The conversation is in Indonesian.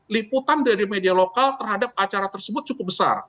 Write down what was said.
liputan dari media lokal terhadap acara tersebut cukup besar